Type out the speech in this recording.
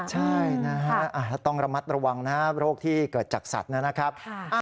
ใช่นะฮะต้องระมัดระวังนะครับโรคที่เกิดจากสัตว์นะครับ